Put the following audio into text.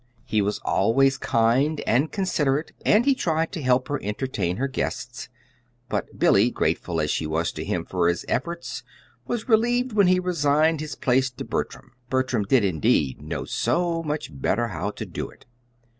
He was always kind and considerate, and he tried to help her entertain her guests; but Billy, grateful as she was to him for his efforts, was relieved when he resigned his place to Bertram. Bertram did, indeed, know so much better how to do it.